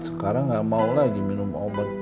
sekarang nggak mau lagi minum obat